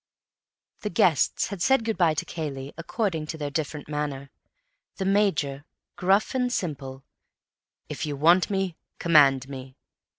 The guests had said good bye to Cayley, according to their different manner. The Major, gruff and simple: "If you want me, command me.